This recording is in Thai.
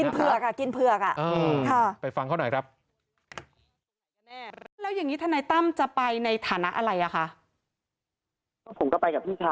ผมก็ไปกับพี่ชายเขานะครับ